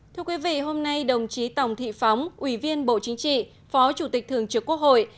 thưa quý vị hôm nay đồng chí tòng thị phóng ủy viên bộ chính trị phó chủ tịch thường trực quốc hội